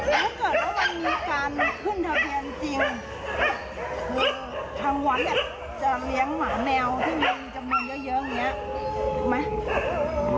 ถ้าเกิดว่าจะมีการขึ้นทะเบียนจริง